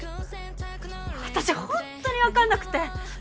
私ホントに分かんなくて。